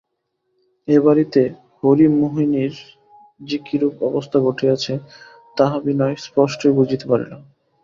এ বাড়িতে হরিমোহিনীর যে কিরূপ অবস্থা ঘটিয়াছে তাহা বিনয় স্পষ্টই বুঝিতে পারিল।